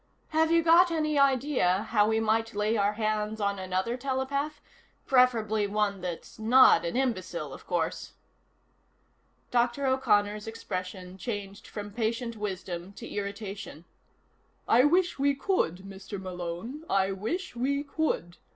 "Have you got any idea how we might lay our hands on another telepath? Preferably one that's not an imbecile, of course." Dr. O'Connor's expression changed from patient wisdom to irritation. "I wish we could, Mr. Malone. I wish we could.